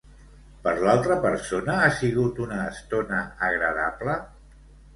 Per l'altra persona ha sigut una estona agradable?